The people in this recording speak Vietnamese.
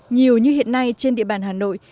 nhiều như hiện nay trên địa bàn hà nội